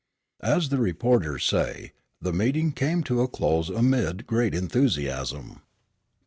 As the reporters say, the meeting came to a close amid great enthusiasm.